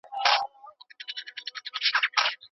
د هېواد په سړو سیمو کې د سون توکو بیې په ژمي کې لوړېږي.